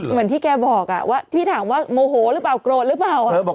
เหมือนที่แกบอกว่าที่ถามว่าโมโหหรือเปล่าโกรธหรือเปล่า